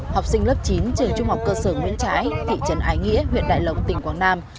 học sinh lớp chín trường trung học cơ sở nguyễn trãi thị trấn ái nghĩa huyện đại lộc tỉnh quảng nam